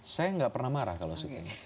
saya nggak pernah marah kalau sebutin